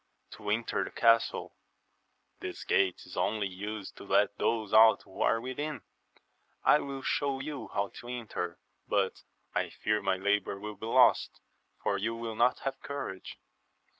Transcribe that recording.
— To enter the castle. — This gate is only used to let those out who are within. I will show you how to enter ; but I fear my labour will be lost, for you will not have courage.